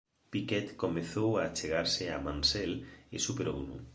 Piquet comezou a achegarse a Mansell e superouno.